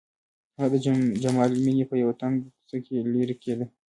هغه د جمال مېنې په يوه تنګه کوڅه کې لېرې کېده.